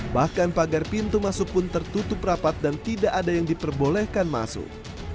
bahkan pagar pintu masuk pun tertutup rapat dan tidak ada yang diperbolehkan masuk